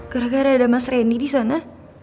gara gara ada mas reni disana